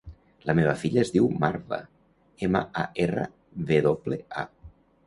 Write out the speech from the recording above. La meva filla es diu Marwa: ema, a, erra, ve doble, a.